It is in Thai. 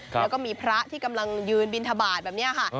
แล้วก็มีพระที่กำลังยืนบินทบาทแบบนี้ค่ะ